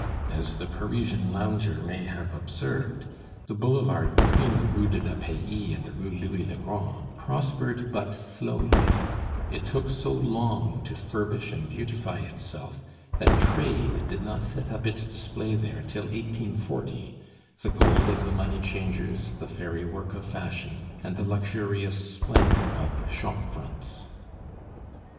As the Parisian lounger may have observed, the boulevard between the Rue de la Paix and the Rue Louis le Grand prospered but slowly; it took so long to furbish and beautify itself, that trade did not set up its display there till 1840 the gold of the money changers, the fairy work of fashion, and the luxurious splendor of shop fronts.